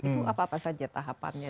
itu apa apa saja tahapannya